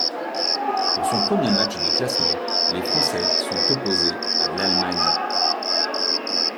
Pour son premier match de classement, les Français sont opposés à l'Allemagne.